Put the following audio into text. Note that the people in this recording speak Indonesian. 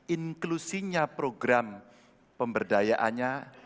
inklusinya program pemberdayaannya